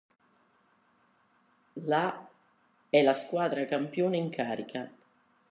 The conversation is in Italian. La è la squadra campione in carica.